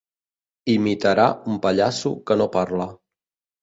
Imitarà un pallasso que no parla.